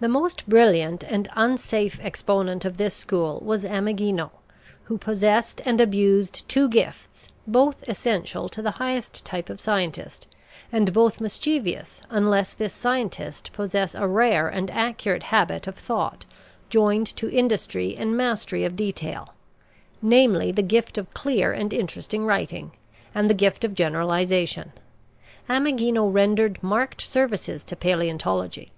The most brilliant and unsafe exponent of this school was Ameghino, who possessed and abused two gifts, both essential to the highest type of scientist, and both mischievous unless this scientist possess a rare and accurate habit of thought joined to industry and mastery of detail: namely, the gift of clear and interesting writing, and the gift of generalization. Ameghino rendered marked services to paleontology.